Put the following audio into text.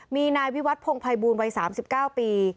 มีนายวิวัตพงภัยบูลวัย๓๙ปี